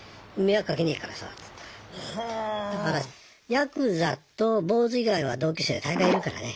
ヤクザと坊主以外は同級生で大概いるからね。